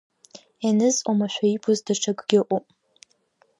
Еныз оумашәа иибаз даҽакгьы ыҟоуп.